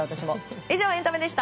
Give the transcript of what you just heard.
以上、エンタメでした。